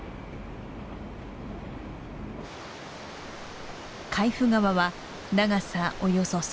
海部川は長さおよそ３６キロ。